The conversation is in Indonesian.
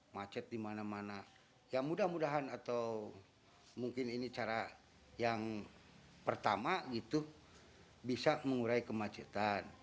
macet di mana mana ya mudah mudahan atau mungkin ini cara yang pertama gitu bisa mengurai kemacetan